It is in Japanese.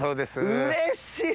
うれしい！